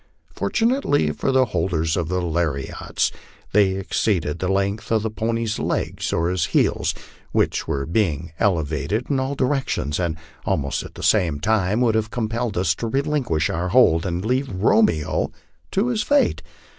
Fortunately for the holders of the lariats, they exceeded the length of the pony's legs, or his 224 MY LIFE ON THE PLAINS. heels, which were being elevated in all directions, and almost at the same time, would have compelled us to relinquish our hold, and leave Romeo to his fate.